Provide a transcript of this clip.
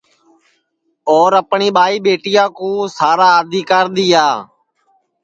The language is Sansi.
اور اپٹؔی ٻائی ٻیٹیا کُو سارا آدیکرا دؔیا